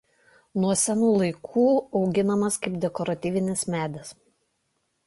Nuo senų laikų auginamas kaip dekoratyvinis medis.